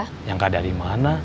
nyangka dari mana